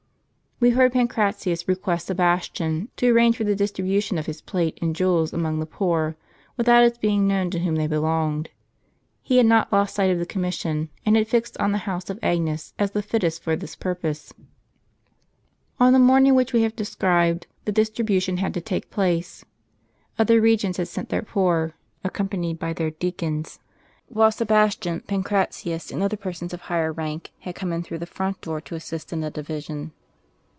We heard Pancratius request Sebastian, to arrange for the distribution of his plate and jewels among the poor, without its being known to whom they belonged. He had not lost sight of the commission, and had fixed on the house of Agnes as the fittest for this purpose. On the morning which we have described the distribution had to take i^lace; other regions had sent their poor, accompanied by their deacons ; while Sebastian, Pancratius, and other persons of higher rank had come in through the front door, to assist in the division.